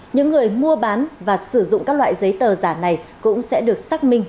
những người mua bán và sử dụng các loại giấy tờ giả này cũng sẽ được xác minh